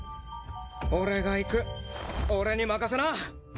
俺が行く俺に任せな！